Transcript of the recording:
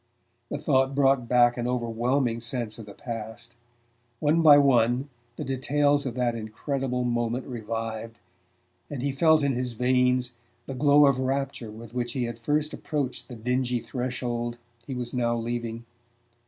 The thought brought back an overwhelming sense of the past. One by one the details of that incredible moment revived, and he felt in his veins the glow of rapture with which he had first approached the dingy threshold he was now leaving.